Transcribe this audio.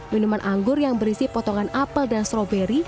minuman anggur yang berisi potongan apel dan stroberi